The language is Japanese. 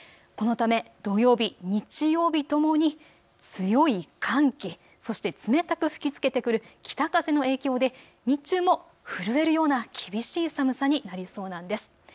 このため土曜日、日曜日ともに強い寒気、そして冷たく吹きつけてくる北風の影響で日中も震えるような厳しい寒さになりそうなんです。